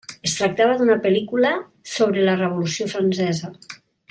Es tractava d'una pel·lícula sobre la revolució Francesa.